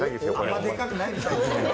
あんまでかくないでしょ。